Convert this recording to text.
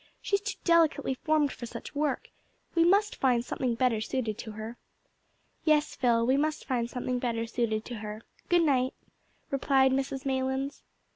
She's too delicately formed for such work. We must find something better suited to her." "Yes, Phil, we must find something better suited to her. Good night," replied Mrs Maylands.